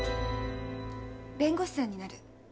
弁護士さんになる。